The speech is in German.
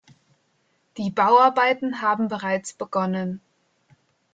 Die Bauarbeiten haben bereits begonnen.